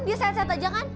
dia sehat sehat aja kan